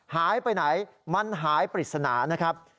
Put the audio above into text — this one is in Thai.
หายไปไหนมันหายปริศนานะครับ